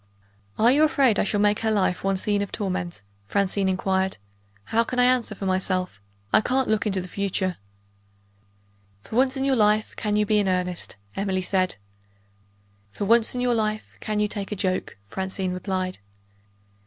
"Are you afraid I shall make her life one scene of torment?" Francine inquired. "How can I answer for myself? I can't look into the future." "For once in your life, can you be in earnest?" Emily said. "For once in your life, can you take a joke?" Francine replied.